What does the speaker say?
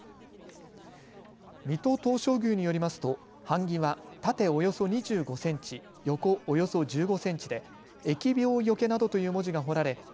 水戸東照宮によりますと版木は縦およそ２５センチ、横およそ１５センチで疫病除などという文字が彫られ